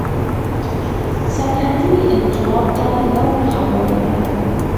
صنعتي انقلاب ته لار هواره کړه.